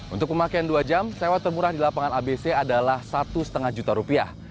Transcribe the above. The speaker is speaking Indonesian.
untuk pemakaian dua jam sewa termurah di lapangan abc adalah satu lima juta rupiah